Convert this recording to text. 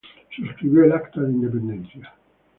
Suscribió el Acta de Independencia.